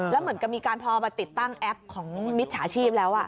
แล้วเหมือนกับมีการพอมาติดตั้งแอปของมิจฉาชีพแล้ว